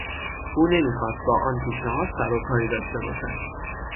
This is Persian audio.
او نمیخواست با آن پیشنهاد سر و کاری داشته باشد.